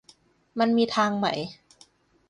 มันมีทางไหม